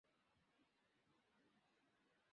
布伦森否认控罪。